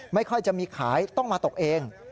ไม่ค่อยจะมีขายต้องมาตกเอง